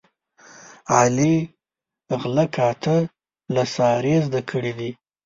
علي غله کاته له سارې زده کړي دي.